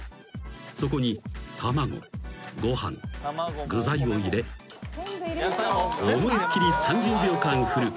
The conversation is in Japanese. ［そこに卵ご飯具材を入れ］［思いっ切り３０秒間振る］